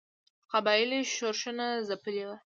قبایلي ښورښونه ځپلي وه.